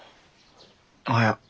おはよう。